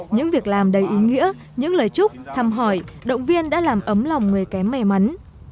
những việc làm đầy ý nghĩa những lời chúc thăm hỏi động viên đã làm ấm lòng người kém may mắn